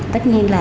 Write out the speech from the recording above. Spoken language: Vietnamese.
tất nhiên là